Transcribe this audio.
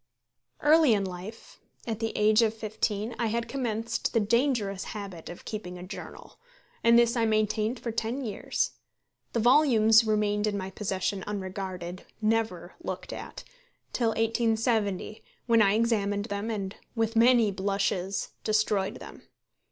Early in life, at the age of fifteen, I had commenced the dangerous habit of keeping a journal, and this I maintained for ten years. The volumes remained in my possession unregarded never looked at till 1870, when I examined them, and, with many blushes, destroyed them.